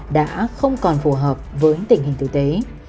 đã không còn phù hợp với tình hình tử tế